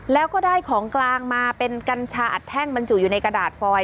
แล้วก็ได้ของกลางมาเป็นกัญชาอัดแท่งบรรจุอยู่ในกระดาษฟอย